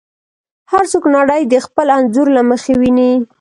هر څوک نړۍ د خپل انځور له مخې ویني.